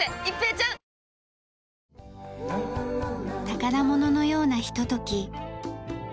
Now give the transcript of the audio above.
宝物のようなひととき。